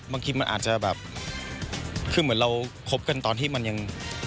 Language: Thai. บางทีมันอาจจะแบบคือเหมือนเราคบกันตอนที่มันยัง